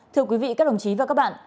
thưa quý vị các đồng chí và các bạn